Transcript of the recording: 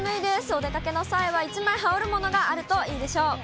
お出かけの際は一枚羽織るものがあるといいでしょう。